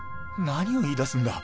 何を言いだすんだ